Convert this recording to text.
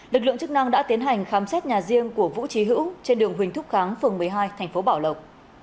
lực lượng chức năng đã tiến hành khám xét nhà riêng của vũ trí hữu trên đường huỳnh thúc kháng phường một mươi hai thành phố bảo lộc